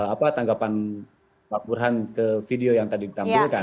apa tanggapan pak burhan ke video yang tadi ditampilkan